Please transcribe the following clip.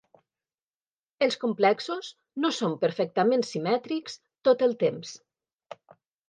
Els complexos no són perfectament simètrics tot el temps.